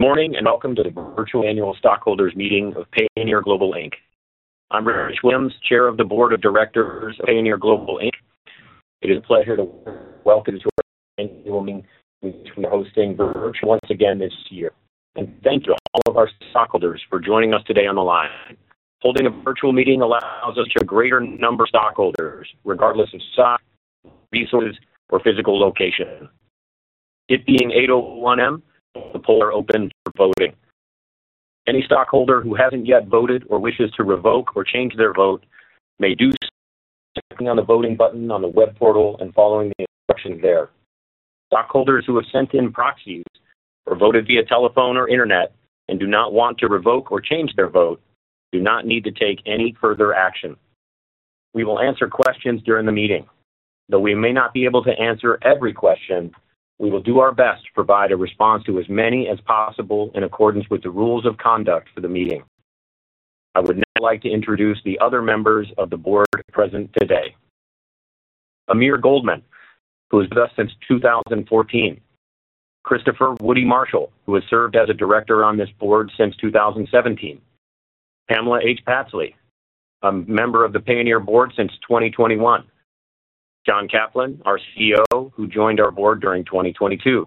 Good morning, welcome to the virtual annual stockholders meeting of Payoneer Global Inc. I'm Richard Williams, Chair of the Board of Directors of Payoneer Global Inc. It is a pleasure to welcome you to our annual meeting, which we are hosting virtually once again this year. Thank you to all of our stockholders for joining us today on the line. Holding a virtual meeting allows us to reach a greater number of stockholders, regardless of size, resources, or physical location. It being 8:01 A.M., the polls are open for voting. Any stockholder who hasn't yet voted or wishes to revoke or change their vote may do so by clicking on the voting button on the web portal and following the instructions there. Stockholders who have sent in proxies or voted via telephone or internet and do not want to revoke or change their vote do not need to take any further action. We will answer questions during the meeting. Though we may not be able to answer every question, we will do our best to provide a response to as many as possible in accordance with the rules of conduct for the meeting. I would now like to introduce the other members of the Board present today. Amir Goldman, who has been with us since 2014. Christopher Woody Marshall, who has served as a Director on this Board since 2017. Pamela H. Patsley, a member of the Payoneer Board since 2021. John Caplan, our CEO, who joined our Board during 2022.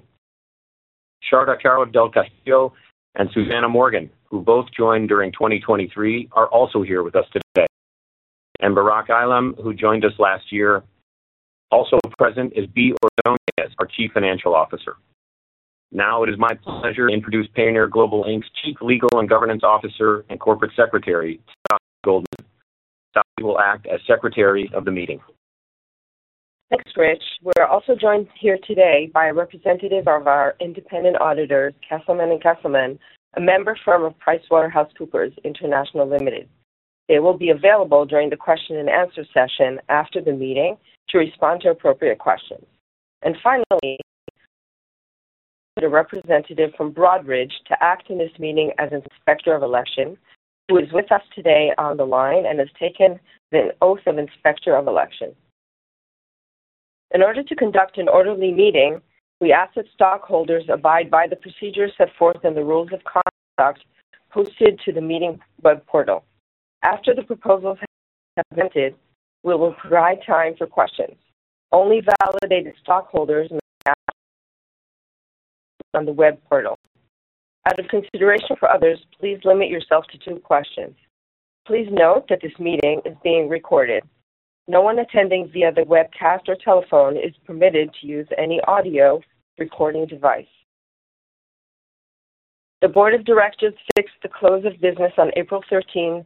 Sharda Caro del Castillo and Susanna Morgan, who both joined during 2023, are also here with us today. Barak Eilam, who joined us last year. Also present is Bea Ordonez, our Chief Financial Officer. It is my pleasure to introduce Payoneer Global Inc's Chief Legal & Governance Officer and Corporate Secretary, Tsafi Goldman. Tsafi will act as Secretary of the meeting. Thanks, Rich. We are also joined here today by a representative of our independent auditor, Kesselman & Kesselman, a member firm of PricewaterhouseCoopers International Limited. They will be available during the question and answer session after the meeting to respond to appropriate questions. Finally, we have a representative from Broadridge to act in this meeting as inspector of election, who is with us today on the line and has taken the oath of inspector of election. In order to conduct an orderly meeting, we ask that stockholders abide by the procedures set forth in the rules of conduct posted to the meeting web portal. After the proposals have been presented, we will provide time for questions. Only validated stockholders may ask questions on the web portal. Out of consideration for others, please limit yourself to two questions. Please note that this meeting is being recorded. No one attending via the webcast or telephone is permitted to use any audio recording device. The board of directors fixed the close of business on April 13,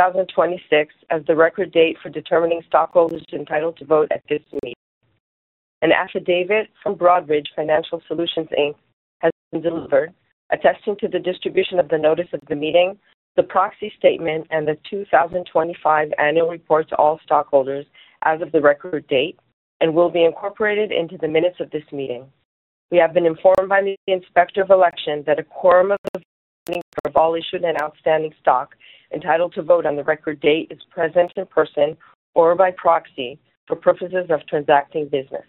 2026 as the record date for determining stockholders entitled to vote at this meeting. An affidavit from Broadridge Financial Solutions, Inc has been delivered, attesting to the distribution of the notice of the meeting, the proxy statement, and the 2025 annual report to all stockholders as of the record date and will be incorporated into the minutes of this meeting. We have been informed by the inspector of election that a quorum for all issued and outstanding stock entitled to vote on the record date is present in person or by proxy for purposes of transacting business.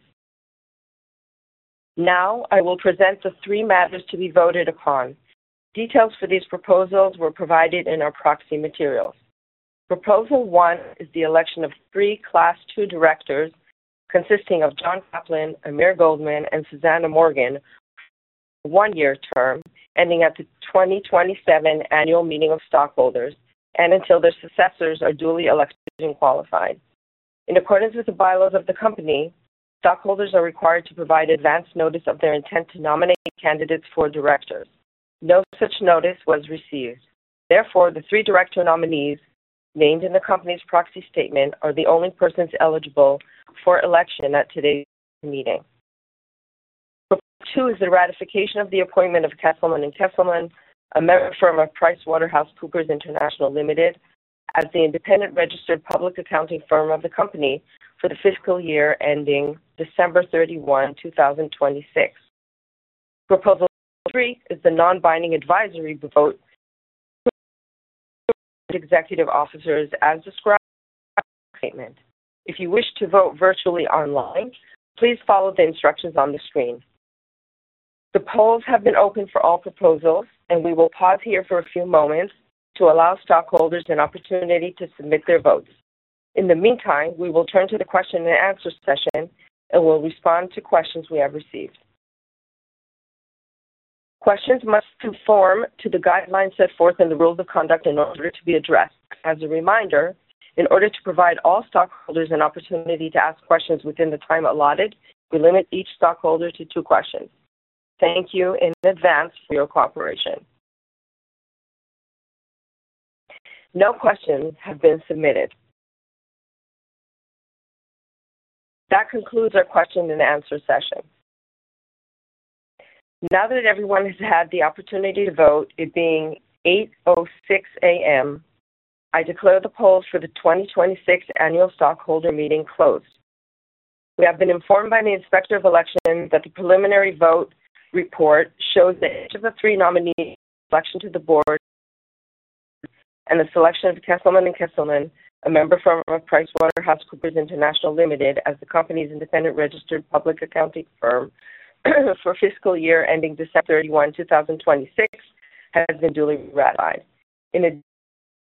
I will present the three matters to be voted upon. Details for these proposals were provided in our proxy materials. Proposal one is the election of three Class II directors consisting of John Caplan, Amir Goldman, and Susanna Morgan, a one-year term ending at the 2027 annual meeting of stockholders and until their successors are duly elected and qualified. In accordance with the bylaws of the company, stockholders are required to provide advance notice of their intent to nominate candidates for directors. No such notice was received. Therefore, the three director nominees named in the company's proxy statement are the only persons eligible for election at today's meeting. Proposal two is the ratification of the appointment of Kesselman & Kesselman, a member firm of PricewaterhouseCoopers International Limited, as the independent registered public accounting firm of the company for the fiscal year ending December 31, 2026. Proposal three is the non-binding advisory vote executive officers as described in the proxy statement. If you wish to vote virtually online, please follow the instructions on the screen. The polls have been open for all proposals. We will pause here for a few moments to allow stockholders an opportunity to submit their votes. In the meantime, we will turn to the question and answer session, and we'll respond to questions we have received. Questions must conform to the guidelines set forth in the rules of conduct in order to be addressed. As a reminder, in order to provide all stockholders an opportunity to ask questions within the time allotted, we limit each stockholder to two questions. Thank you in advance for your cooperation. No questions have been submitted. That concludes our question and answer session. Now that everyone has had the opportunity to vote, it being 8:06 A.M., I declare the polls for the 2026 annual stockholder meeting closed. We have been informed by the inspector of election that the preliminary vote report shows that each of the three nominees elected to the board and the selection of Kesselman & Kesselman, a member firm of PricewaterhouseCoopers International Limited, as the company's independent registered public accounting firm for fiscal year ending December 31, 2026, has been duly ratified. In addition,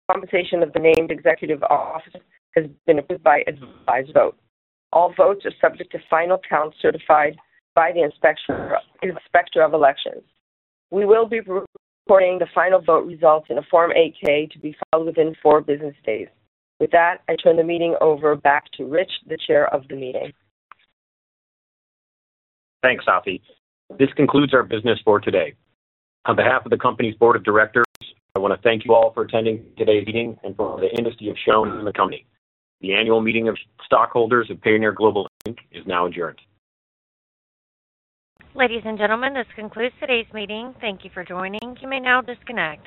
the compensation of the named executive officers has been approved by advisory vote. All votes are subject to final count certified by the inspector of elections. We will be reporting the final vote results in a Form 8-K to be filed within four business days. I turn the meeting over back to Rich, the chair of the meeting. Thanks, Tsafi. This concludes our business for today. On behalf of the company's board of directors, I want to thank you all for attending today's meeting and for the interest you've shown in the company. The annual meeting of stockholders of Payoneer Global Inc is now adjourned. Ladies and gentlemen, this concludes today's meeting. Thank you for joining. You may now disconnect.